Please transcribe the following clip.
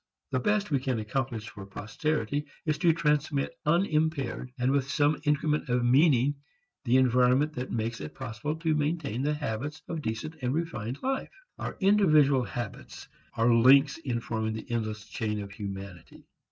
The best we can accomplish for posterity is to transmit unimpaired and with some increment of meaning the environment that makes it possible to maintain the habits of decent and refined life. Our individual habits are links in forming the endless chain of humanity.